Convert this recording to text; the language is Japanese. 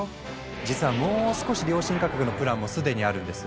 実はもう少し良心価格のプランも既にあるんです。